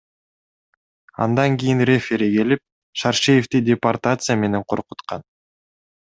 Андан кийин рефери келип, Шаршеевди депортация менен коркуткан.